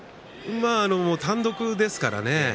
単独ですからね。